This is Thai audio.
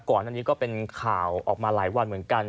ก่อนอันนี้ก็เป็นข่าวออกมาหลายวันเหมือนกัน